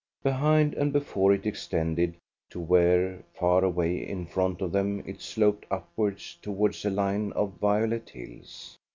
Behind and before it extended, to where far away in front of them it sloped upwards towards a line of violet hills.